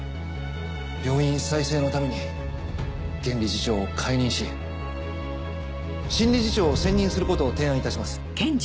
病院再生のために現理事長を解任し新理事長を選任することを提案いたします。